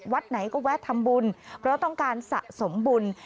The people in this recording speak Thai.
วัดไหนก็แวะทำบุญเพราะต้องการสะสมบุญ